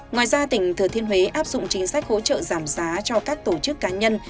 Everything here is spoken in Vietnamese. ngoài ra tỉnh thừa thiên huế áp dụng chính sách hỗ trợ giảm giá cho các tổ chức cá nhân